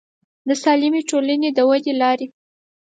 د سالمې ټولنې د ودې لارې